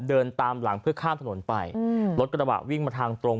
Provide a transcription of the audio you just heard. เดินตามหลังเพื่อข้ามถนนไปรถกระบะวิ่งมาทางตรง